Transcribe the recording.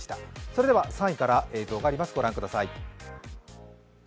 それでは３位から映像があります。